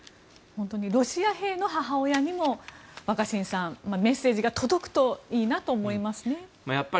ロシア兵の母親にも若新さんメッセージが届くといいなと思いますね。